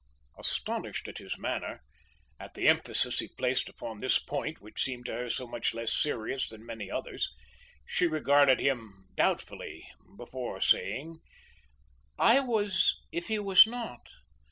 Astonished at his manner, at the emphasis he placed upon this point which seemed to her so much less serious than many others, she regarded him doubtfully before saying: "I was if he was not.